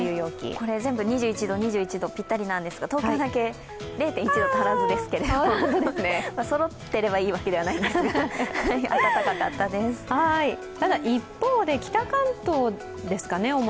これ全部２１度、２１度ぴったりなんですが、東京だけ０．１度足らずですけど、そろっていればいいわけではないんですけど、一方で、北関東ですかね